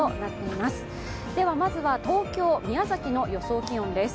まずは東京、宮崎の予想気温です。